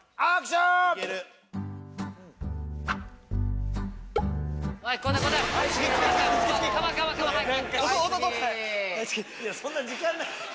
そんな時間ない？